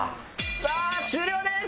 さあ終了です！